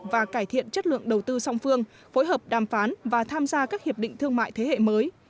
và cải thiện chất lượng đầu tư song phương phối hợp đàm phán và tham gia các hiệp định thương mại thế hệ mới